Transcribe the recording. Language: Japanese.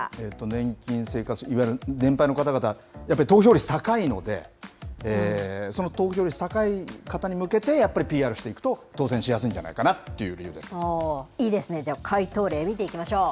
年金生活、やっぱり年配の方々、やっぱり投票率高いので、その投票率高い方に向けてやっぱりＰＲしていくと当選しやすいんいいですね、じゃあ、解答例見ていきましょう。